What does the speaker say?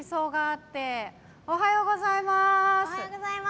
おはようございます！